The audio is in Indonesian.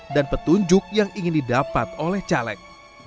dan petunjuk yang ingin didapat oleh caleg